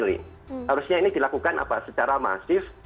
harusnya ini dilakukan secara masif